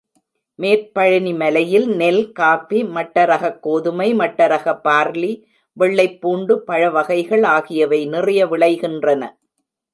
மேற்பழனிமலையில் நெல், காஃபி, மட்டரகக் கோதுமை, மட்டரகப் பார்லி, வெள்ளைப்பூண்டு, பழ வகைகள் ஆகியவை நிறைய விளைகின்றன.